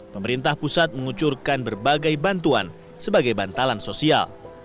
pemerintah pusat mengucurkan berbagai bantuan sebagai bantalan sosial